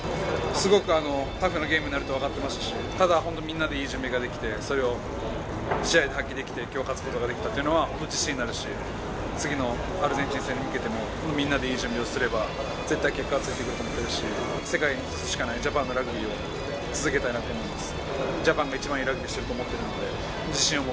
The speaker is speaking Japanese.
すごくタフなゲームになると分かってましたし、ただ本当、みんなでいい準備ができて、それを試合で発揮できて、きょうは勝つことができたというのは、本当、自信になるし、次のアルゼンチン戦に向けてもみんなでいい準備をすれば、絶対結果がついてくると思ってるし、世界に一つしかないジャパンのラグビーを続けたいと思います。